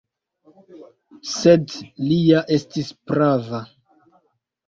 Sed li ja estis prava.